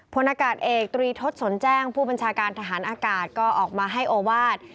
พลอากาศเอกตรีทศสนแจ้งผู้บัญชาการทหารอากาศก็ออกมาให้โอวาส